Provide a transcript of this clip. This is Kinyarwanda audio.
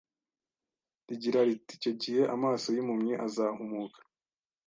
rigira riti “icyo gihe amaso y’impumyi azahumuka,